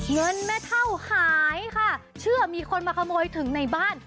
เงินแม่เท่าหายค่ะเชื่อมีคนมาขโมยถึงในบ้าน